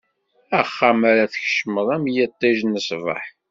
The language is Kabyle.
Axxam ara tkecmeḍ, am yiṭij n ṣṣbeḥ.